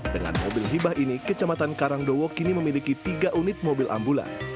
dengan mobil hibah ini kecamatan karangdowo kini memiliki tiga unit mobil ambulans